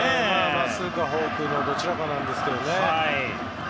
まっすぐかフォークのどちらかなんでしょうけど。